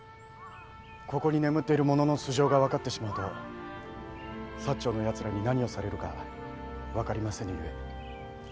ここに眠っている者の素性が分かってしまうと長のヤツらに何をされるか分かりませぬゆえ。